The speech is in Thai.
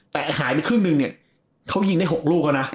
แต่หายไปครึ่งหนึ่งเนี่ยเขายิงได้๖ลูกแล้วนะ